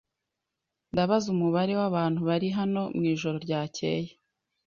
Ndabaza umubare wabantu bari hano mwijoro ryakeye.